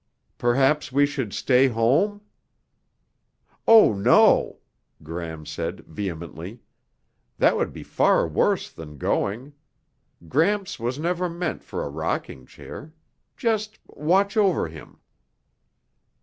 "Perhaps we should stay home?" "Oh no!" Gram said vehemently. "That would be far worse than going. Gramps was never meant for a rocking chair. Just watch over him."